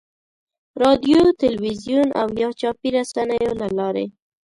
رادیو، تلویزیون او یا چاپي رسنیو له لارې.